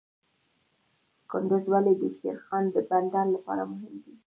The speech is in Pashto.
کندز ولې د شیرخان بندر لپاره مهم دی؟